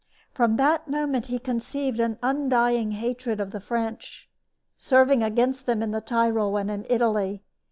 From that moment he conceived an undying hatred of the French, serving against them in the Tyrol and in Italy.